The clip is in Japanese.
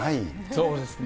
そうですね。